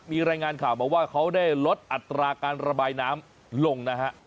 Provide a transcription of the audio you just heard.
มีรายงานข่าวมาว่าเขาได้ลดอัตราการระบายน้ำลงนะฮะ